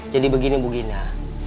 jadi begini bu gina